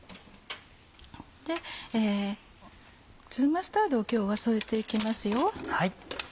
粒マスタードを今日は添えて行きますよ。